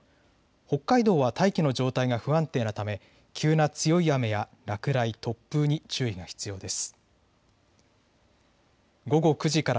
北海道は大気の状態が不安定なため急な強い雨や落雷、突風に注意が必要です。